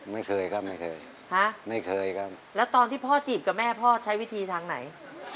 ไม่เคยครับไม่เคยฮะไม่เคยครับแล้วตอนที่พ่อจีบกับแม่พ่อใช้วิธีทางไหน